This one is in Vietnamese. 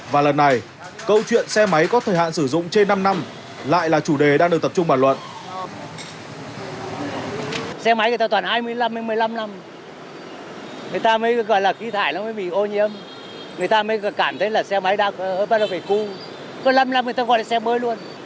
và lần này câu chuyện xe máy có thời hạn sử dụng trên năm năm lại là chủ đề đang được tập trung bản luận